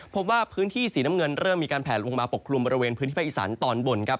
พบว่าพื้นที่สีน้ำเงินเริ่มมีการแผลลงมาปกคลุมบริเวณพื้นที่ภาคอีสานตอนบนครับ